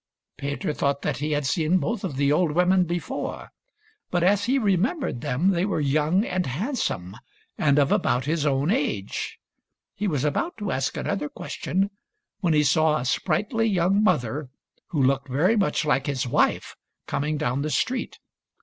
Peter thought that he had seen both of the old women before — but as he remembered them they were young and handsome and of about his own age. He was about to ask another question when he saw a sprightly young mother, who looked very 234 THIRTY MORE FAMOUS STORIES much like his wife, coming down the street.